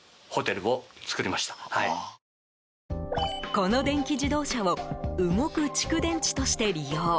この電気自動車を動く蓄電池として利用。